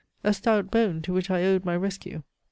A stout bone, to which I owed my rescue.